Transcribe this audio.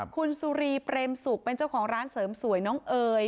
คุณสุรีเปรมศุกร์เป็นเจ้าของร้านเสริมสวยน้องเอ๋ย